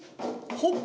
ほっ！